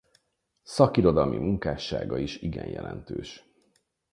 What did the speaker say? Szakirodalmi munkássága is igen jelentős.